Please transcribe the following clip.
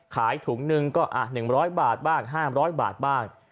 ขายถุงหนึ่งก็๑๐๐บาทบ้าง๕๐๐บาทบ้าง